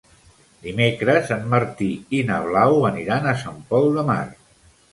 Dimecres en Martí i na Blau aniran a Sant Pol de Mar.